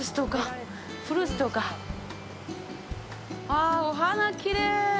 ああ、お花、きれい！